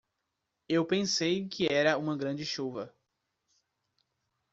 Eu pensei que era uma grande chuva